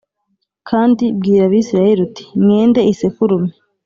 Kandi bwira Abisirayeli uti Mwende isekurume